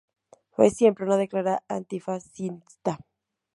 Fue siempre una declarada antifascista.